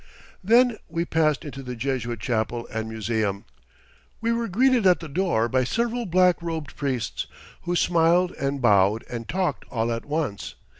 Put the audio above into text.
Then we passed into the Jesuit chapel and museum. We were greeted at the door by several black robed priests, who smiled and bowed and talked all at once.